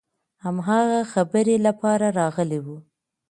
هماغه خبرې لپاره راغلي وو.